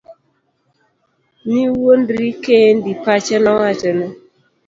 Niwuondri kendi, pache nowachone.